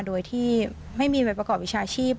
โดยที่ไม่มีใบประกอบวิชาชีพ